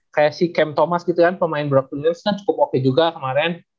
kayak si cam thomas gitu kan pemain brooklyn news kan cukup oke juga kemarin